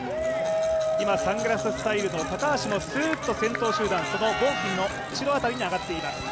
今、サングラススタイルの高橋もすっと先頭集団そのボンフィムの後ろ辺りにいます。